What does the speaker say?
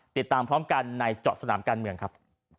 ติดตามพร้อมกันในเจาะสนามการเมืองครับ